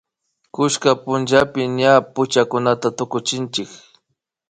kullka pullapi ñami puchakunata tukuchinchik